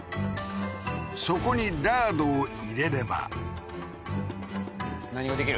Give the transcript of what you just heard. そこにラードを入れれば何ができる？